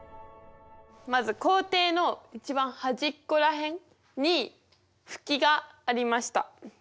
まず校庭の一番端っこら辺にフキがありました。